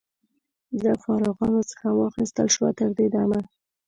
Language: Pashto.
له فارغانو څخه واخیستل شوه. تر دې دمه